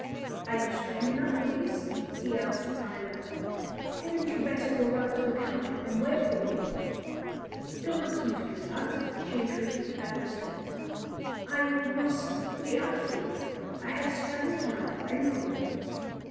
"Are you strong enough for this?" he asked Ida. "Hadn't you better go back to the cab and wait for me!" "Don't ask me to do that!" she entreated earnestly. "I must be active. I have strength now for anything."